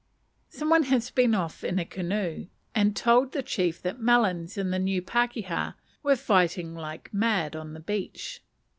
Some one has been off in a canoe and told the chief that "Melons" and the "New Pakeha" were fighting like mad on the beach.